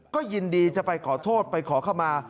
ก็ยินดีจะไปขอโทษไปขอขมา